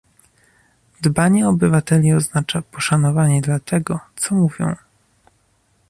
Dbanie o obywateli oznacza poszanowanie dla tego, co mówią